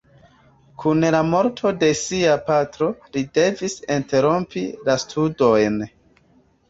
Kun la morto de sia patro, li devis interrompi la studojn.